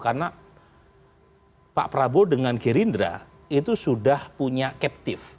karena pak prabowo dengan gerindra itu sudah punya captive